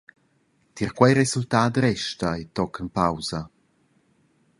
Tier quei resultat resta ei tochen pausa.